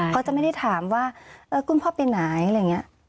เขาจะไม่ได้ถามว่าคุณพ่อไปไหนอะไรอย่างนี้